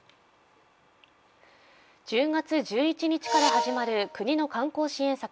１０月１１日から始まる国の観光支援策